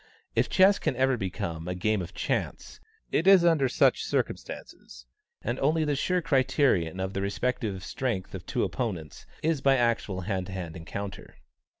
If chess can ever become a game of chance, it is under such circumstances; and the only sure criterion of the respective strengths of two opponents is by actual hand to hand encounter.